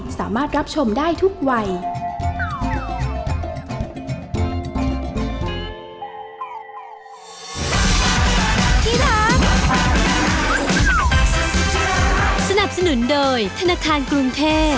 สนับสนุนโดยธนาคารกรุงเทพฯ